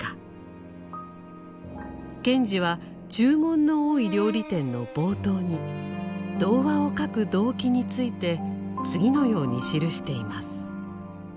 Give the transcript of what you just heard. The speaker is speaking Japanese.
賢治は「注文の多い料理店」の冒頭に童話を書く動機について次のように記しています。